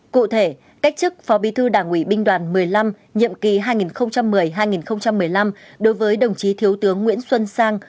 cụ thể cách chức phó bí thư đảng ủy binh đoàn một mươi năm nhiệm kỳ hai nghìn một mươi hai nghìn một mươi năm đối với đồng chí thiếu tướng nguyễn xuân sang